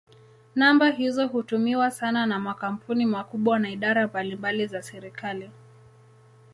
Namba hizo hutumiwa sana na makampuni makubwa na idara mbalimbali za serikali.